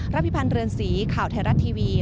พิพันธ์เรือนสีข่าวไทยรัฐทีวี